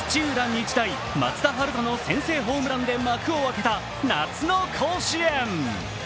日大・松田陽斗の先制ホームランで幕を開けた夏の甲子園。